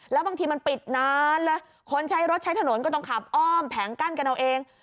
แล้วบางทีมันปิดนานเลยคนใช้รถใช้ถนนก็ต้องขับอ้อมแผงกั้นกันเอาเอง